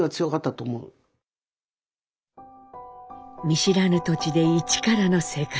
見知らぬ土地で一からの生活。